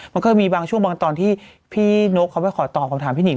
มันก็มีบางช่วงบางตอนที่พี่นกเขาไปขอตอบคำถามพี่หนิง